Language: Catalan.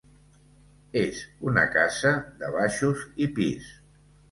És una casa de baixos i pis.